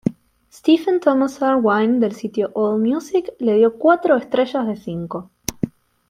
Stephen Thomas Erlewine del sitio Allmusic le dio cuatro estrellas de cinco.